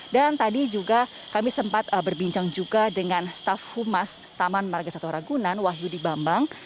dan tadi juga kami sempat berbincang juga dengan staff humas taman marga satwa ragunan wahyu di bambang